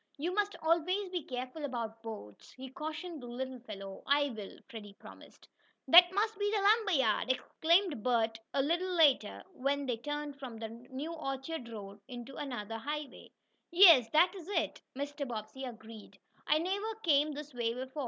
You must always be careful about boats," he cautioned the little fellow. "I will," Freddie promised. "That must be the lumber yard!" exclaimed Bert a little later, when they turned from the new orchard road into another highway. "Yes, that is it," Mr. Bobbsey agreed. "I never came this way before.